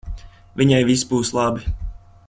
Viņai viss būs labi.